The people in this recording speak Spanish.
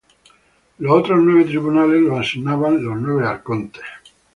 Los otros nueve tribunales los asignaban los nueve arcontes.